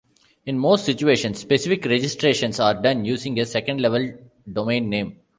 In most situations, specific registrations are done using a second level domain name.